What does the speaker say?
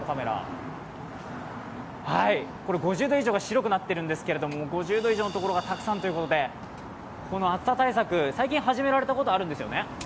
５０度以上は白くなっているんですけれども、５０度以上がたくさんということで、この暑さ対策、最近始められたことがあるんですよね。